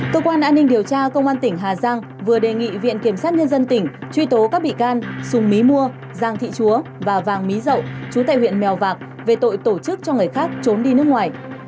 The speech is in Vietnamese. cơ quan an ninh điều tra công an tỉnh hà giang vừa đề nghị viện kiểm sát nhân dân tỉnh truy tố các bị can sùng mí mua giang thị chúa và vàng mí dậu chú tại huyện mèo vạc về tội tổ chức cho người khác trốn đi nước ngoài